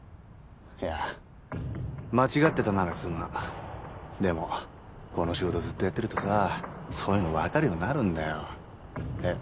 いや間違ってたならすまんでもこの仕事ずっとやってるとさそういうの分かるようになるんだよえっ